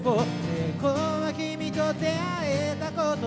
「栄光は君と出会えたこと」